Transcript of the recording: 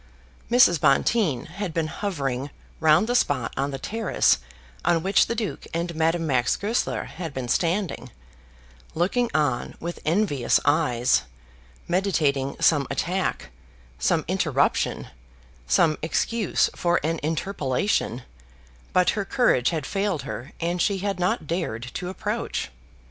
Mrs. Bonteen had been hovering round the spot on the terrace on which the Duke and Madame Max Goesler had been standing, looking on with envious eyes, meditating some attack, some interruption, some excuse for an interpolation, but her courage had failed her and she had not dared to approach.